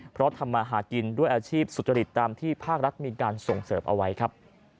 เพราะทำมาหากินด้วยอาชีพสุจริตตามที่ภาครัฐมีการส่งเสริมเอาไว้ครับ